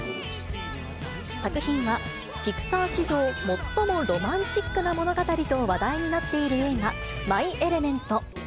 作品はピクサー史上最もロマンチックな物語と話題になっている映画、マイ・エレメント。